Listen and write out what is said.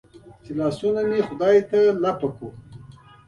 چې لاسونه مې خدای ته لپه کړل.